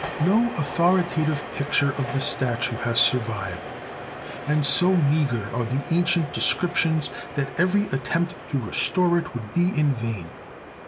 No authoritative picture of THE COLOSSUS OF RHODES 163 the statue has survived, and so meagre are the ancient descriptions that every attempt to restore it would be in vain.